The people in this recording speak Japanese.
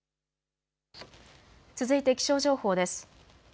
続いて気象情報です。